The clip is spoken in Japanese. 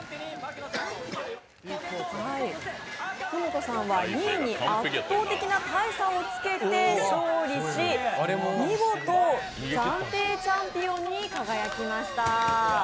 福本さんは２位に圧倒的な大差をつけて勝利し、見事暫定チャンピオンに輝きました。